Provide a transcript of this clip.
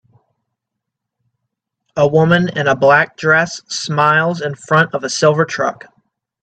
A woman in a black dress smiles in front of a silver truck.